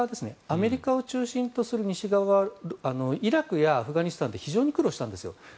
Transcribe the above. アメリカを中心とする西側はイラクやアフガニスタンって非常に苦労したんですよ。